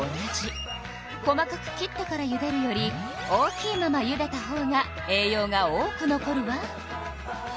細かく切ってからゆでるより大きいままゆでたほうが栄養が多く残るわ。